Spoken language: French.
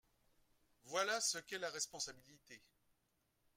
Voilà ce qu’est la responsabilité